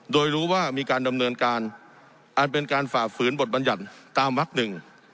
โดยรู้ว่ามีการดำเนินการอันเป็นการฝ่าฝืนบทบัญญัติตามวักหนึ่ง